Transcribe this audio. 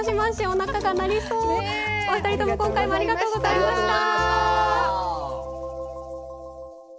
お二人とも今回もありがとうございました！